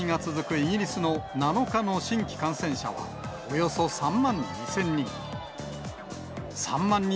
イギリスの７日の新規感染者は、およそ３万２０００人。